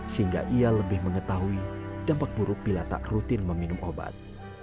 sehingga ia lebih mengetahui dampak buruk bila tak rutin meminum obat